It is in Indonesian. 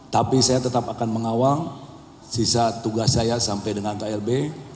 tapi saya tetap akan mengawal sisa tugas saya sampai dengan klb